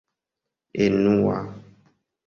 enua